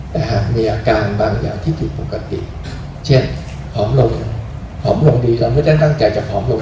แต่หากมีอาการบางอย่างที่ผิดปกติเช่นผอมลงผอมลงดีก็ไม่ได้ตั้งใจจะผอมลง